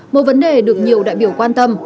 một vấn đề được nhiều đại biểu quan tâm